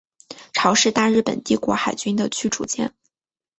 潮是大日本帝国海军的驱逐舰。